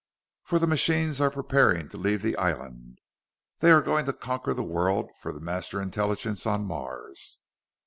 "For the machines are preparing to leave the island! They are going to conquer the world for the Master Intelligence on Mars!